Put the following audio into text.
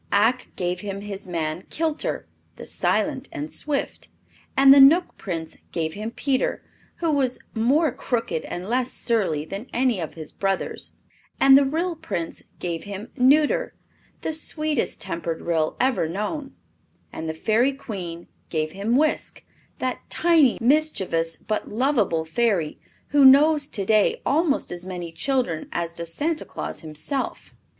Ak gave him his man Kilter, "the silent and swift." And the Knook Prince gave him Peter, who was more crooked and less surly than any of his brothers. And the Ryl Prince gave him Nuter, the sweetest tempered Ryl ever known. And the Fairy Queen gave him Wisk, that tiny, mischievous but lovable Fairy who knows today almost as many children as does Santa Claus himself.